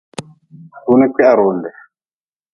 Runi kwiharonde.